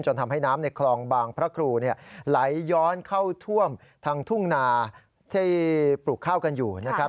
ทำให้น้ำในคลองบางพระครูไหลย้อนเข้าท่วมทางทุ่งนาที่ปลูกข้าวกันอยู่นะครับ